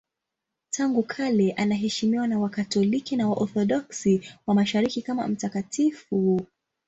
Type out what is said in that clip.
Tangu kale anaheshimiwa na Wakatoliki na Waorthodoksi wa Mashariki kama mtakatifu.